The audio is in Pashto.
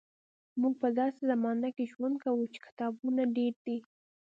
موږ په داسې زمانه کې ژوند کوو چې کتابونه ډېر دي.